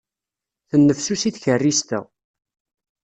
Tennefsusi tkerrist-a.